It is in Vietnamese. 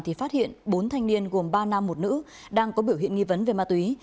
thì phát hiện bốn thanh niên gồm ba nam một nữ đang có biểu hiện nghi vấn về ma túy